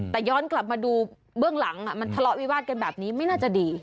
แต่ย้อนกลับมาดูเบื้องหลังมันทะเลาะวิวาสกันแบบนี้ไม่น่าจะดี